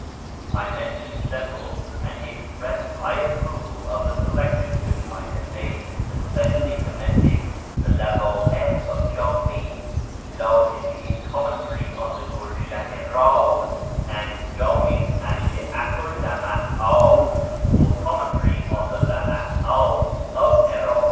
I mentioned several, and he expressed high approval of the selection which I had made, especially commending the LawCiih of Jami, Liihiji's Commentary on the Gulshcm i Bdz, and Jdmi's Ashi'ahc 'l Lamadt, or Commentary on the Lamadt of 'Iraki.